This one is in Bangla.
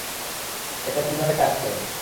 এটা কীভাবে কাজ করে?